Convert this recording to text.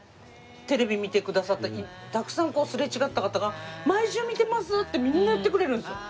テレビ見てくださったたくさんすれ違った方が毎週見てますってみんな言ってくれるんですよ。